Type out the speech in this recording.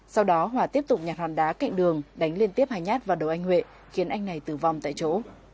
sau đó hòa tiếp tục nhạt hòn đá cạnh đường đánh liên tiếp hai nhát vào đầu anh huệ khiến anh này tử vong tại chỗ